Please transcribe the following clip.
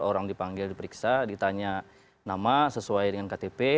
orang dipanggil diperiksa ditanya nama sesuai dengan ktp